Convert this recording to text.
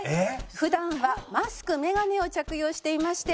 普段はマスク眼鏡を着用していまして。